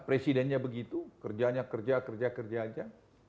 presidennya begitu kerjanya kerja kerja kerja aja